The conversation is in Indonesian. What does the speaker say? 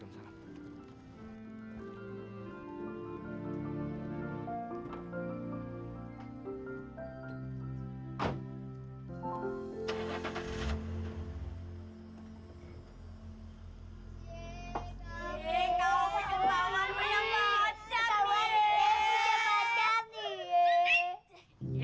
yeay tapi kalau aku jempolan punya baca bi